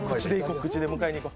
口で迎えにいこ。